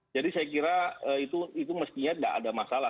jadi saya kira itu mestinya tidak ada masalah